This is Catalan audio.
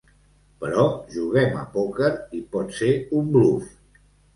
Però juguem a pòquer i pot ser un bluf.